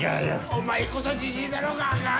お前こそジジイだろうが！